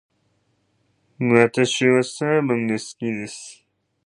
私はサーモンが好きです。